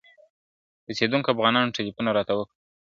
اوسېدونکو افغانانو ټلیفون راته وکړ `